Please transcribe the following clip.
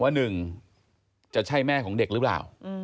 ว่าหนึ่งจะใช่แม่ของเด็กหรือเปล่า